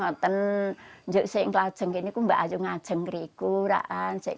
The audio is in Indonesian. karena saya ingin menjelaskan